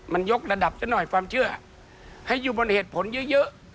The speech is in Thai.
มันยกระดับซะหน่อยความเชื่อให้อยู่บนเหตุผลเยอะ